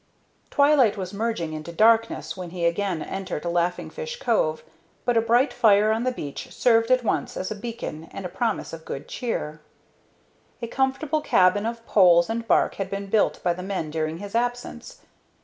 Twilight was merging into darkness when he again entered Laughing Fish Cove, but a bright fire on the beach served at once as a beacon and a promise of good cheer. A comfortable cabin of poles and bark had been built by the men during his absence.